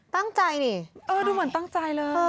ตั้งใจดิเออดูเหมือนตั้งใจเลย